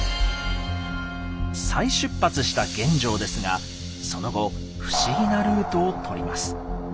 再出発した玄奘ですがその後不思議なルートを取ります。